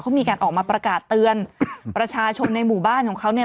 เขามีการออกมาประกาศเตือนประชาชนในหมู่บ้านของเขาเนี่ย